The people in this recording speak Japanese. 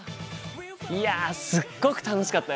いやすっごく楽しかったよ！